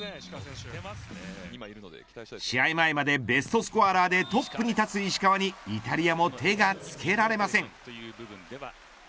試合前までベストスコアラーでトップに立つ石川にイタリアも手がつけられません。